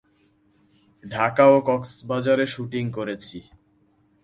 ঢাকা ও কক্সবাজারে শুটিং করেছি।